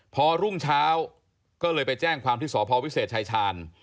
พอรุ่งเช้าก็เลยไปแจ้งความที่สพวิเศษชายชาญ